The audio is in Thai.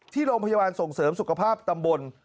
ที่โรงพยาบาลส่งเสริมสุขภาพตำบล